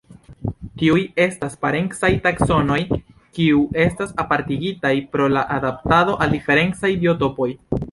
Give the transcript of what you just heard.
Tiuj estas parencaj taksonoj kiu estas apartigitaj pro la adaptado al diferencaj biotopoj.